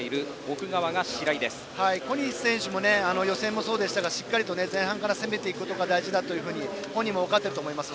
小西選手も予選もそうでしたがしっかりと前半から攻めていくことが大事だと本人も分かっていると思います。